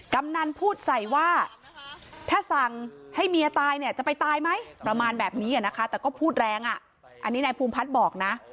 กำนันพูดใส่ว่าถ้าสั่งให้เมียตายเนี่ยจะไปตายไหมประมาณแบบนี้นะคะแต่ก็พูดแรงอ่ะอันนี้นายภูมิพัฒน์บอกนะ